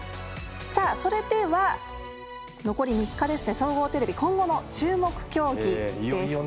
それでは、残り３日総合テレビ今後の注目競技です。